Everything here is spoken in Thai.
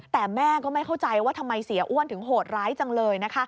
แต่แม่ก็ไม่เข้าใจว่าทำไมเสียอ้วนถึงโหดร้ายจังเลย